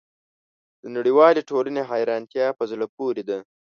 د نړیوالې ټولنې حیرانتیا په زړه پورې ده.